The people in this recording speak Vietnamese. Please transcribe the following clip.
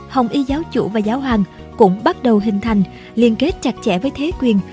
hồng y giáo chủ và giáo hoàng cũng bắt đầu hình thành liên kết chặt chẽ với thế quyền